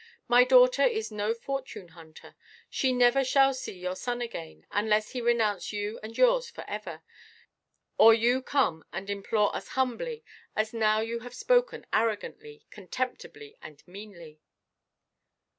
My daughter is no fortune–hunter. She never shall see your son again, unless he renounce you and yours for ever, or you come and implore us humbly as now you have spoken arrogantly, contemptibly, and meanly."